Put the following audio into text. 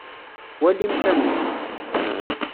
Walimt amek.